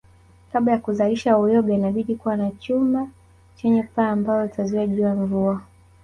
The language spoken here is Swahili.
Kabla ya kuzalisha uyoga inabidi kuwa na chumba chenye paa ambalo litazuia jua mvua